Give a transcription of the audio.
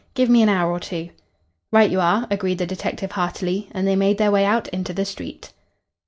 "Give me an hour or two." "Right you are," agreed the detective heartily, and they made their way out into the street.